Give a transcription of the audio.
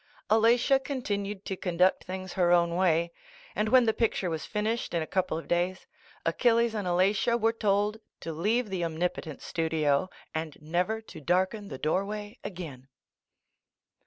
Alatia continued to conduct things her own way and when the picture was finished in a couple of days, Achilles and Alatia were told to leave the Omnipotent studio and never to darken the doorway again.